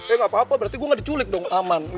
eh gak apa apa berarti gue gak diculik dong aman